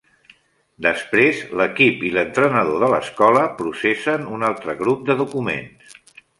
Després, l'equip i l'entrenador de l'escola processen un altre grup de documents.